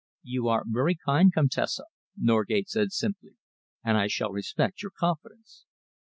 "You are very kind, Comtesse," Norgate said simply, "and I shall respect your confidence."